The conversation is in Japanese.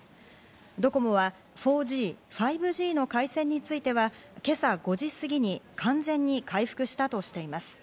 ドコモは４Ｇ、５Ｇの回線については今朝５時すぎに完全に回復したとしています。